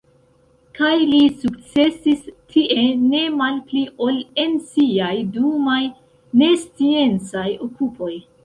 Kaj li sukcesis tie ne malpli ol en siaj dumaj nesciencaj okupoj.